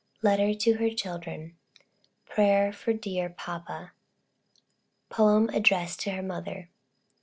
LETTER TO HER CHILDREN. "PRAYER FOR DEAR PAPA." POEM ADDRESSED TO HER MOTHER.